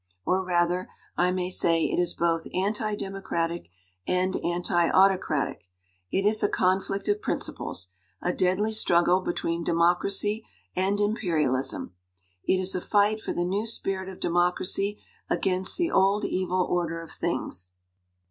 Or rather, I may say it is both anti democratic and anti autocratic. It is a conflict of principles, a deadly struggle between democracy and im perialism. It is a fight for the new spirit of democracy against the old evil order of things.